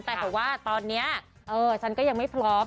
แต่เขาว่าตอนนี้ฉันก็ยังไม่พร้อม